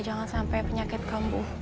jangan sampai penyakit kamu